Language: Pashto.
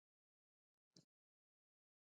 افغانستان کې د مېوې په اړه زده کړه کېږي.